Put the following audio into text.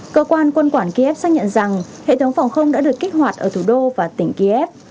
cơ quan quân quản kiev xác nhận rằng hệ thống phòng không đã được kích hoạt ở thủ đô và tỉnh kiev